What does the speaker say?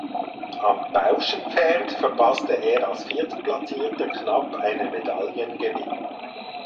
Am Pauschenpferd verpasste er als Viertplatzierter knapp einen Medaillengewinn.